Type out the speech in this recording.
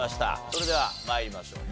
それでは参りましょう。